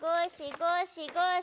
ごしごし